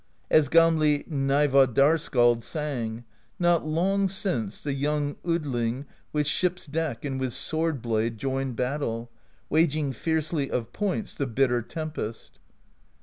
As Gamli Gnaevadar Skald sang: Not long since, the young Odling With ship's deck and with sword blade Joined battle, waging fiercely Of points the bitter tempest.